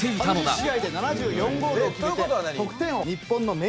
３０試合で７４ゴールを決めて、得点王。